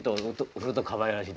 するとかわいらしい。